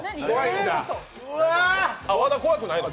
和田、怖くないの？